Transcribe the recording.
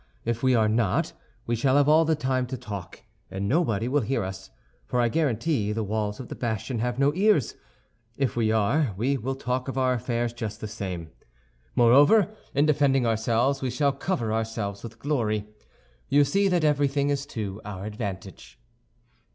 If we are not, we shall have all the time to talk, and nobody will hear us—for I guarantee the walls of the bastion have no ears; if we are, we will talk of our affairs just the same. Moreover, in defending ourselves, we shall cover ourselves with glory. You see that everything is to our advantage."